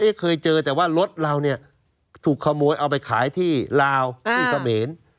เคยเจอแต่ว่ารถเราเนี่ยถูกขโมยเอาไปขายที่ลาวที่เขมร